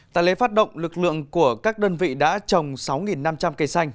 tại lễ phát động lực lượng của các đơn vị đã trồng sáu năm trăm linh cây xanh